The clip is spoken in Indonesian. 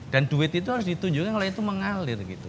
dan duit itu harus ditunjukkan kalau itu mengalir gitu